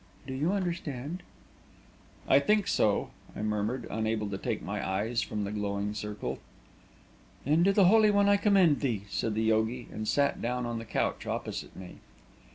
Do you understand?" "I think so," I murmured, unable to take my eyes from the glowing circle. "Then to the Holy One I commend thee!" said the yogi, and sat down on the couch opposite me.